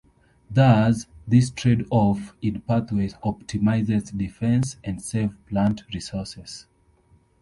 Thus, this trade-off in pathways optimizes defense and saves plant resources.